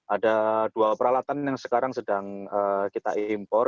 ada dua peralatan yang sekarang sedang kita impor